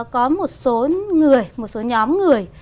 có một số người một số nhóm người